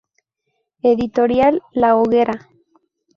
Editorial La Hoguera.